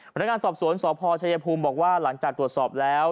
พนักงานสอบสวนสพชัยภูมิบอกว่าหลังจากตรวจสอบแล้ว